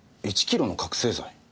１キロの覚せい剤？